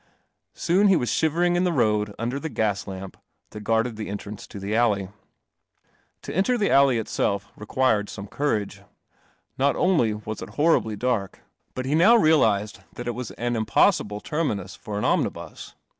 Soon he was shiver ing in the road under the gas lamp that guarded the entrance to the alley. To enter the alley itself required some cour age. Not only was it horribly dark, but he now realized that it was an impossible terminus for an omnibus.